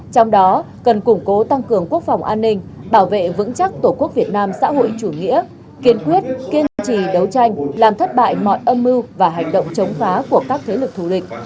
trong đó cần củng cố tăng cường quốc phòng an ninh bảo vệ vững chắc tổ quốc việt nam xã hội chủ nghĩa kiên quyết kiên trì đấu tranh làm thất bại mọi âm mưu và hành động chống phá của các thế lực thù địch